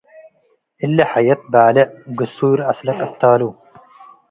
እሊ ሐየት ባሌዕ - ግሱይ ረአስለ ቅታሉ